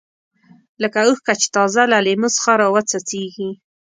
لکه اوښکه چې تازه له لیمو څخه راوڅڅېږي.